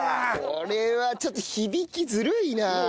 これはちょっと響きずるいな。